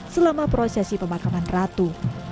selama prosesi pemakaman ratu